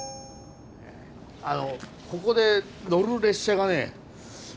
あのここで乗る列車がね